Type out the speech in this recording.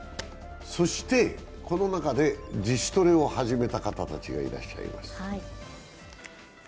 この中で自主トレを始めた方たちがいらっしゃいます。